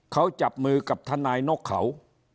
เขาจับมือกับทนายนกเขา